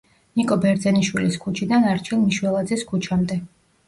ნიკო ბერძენიშვილის ქუჩიდან არჩილ მიშველაძის ქუჩამდე.